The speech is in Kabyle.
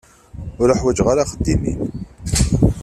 Ur ḥwaǧeɣ ara axeddim-im.